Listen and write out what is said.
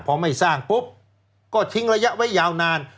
พอไม่สร้างปุ๊บก็ทิ้งระยะไว้ยาวนาน